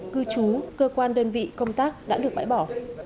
cư trú cơ quan đơn vị công tác đã được bãi bỏ